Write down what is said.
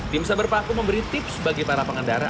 tim saber paku memberi tips bagi para pengendara